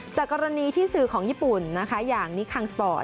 จากกรณีที่สื่อของญี่ปุ่นนะคะอย่างนิคังสปอร์ต